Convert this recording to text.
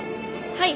はい。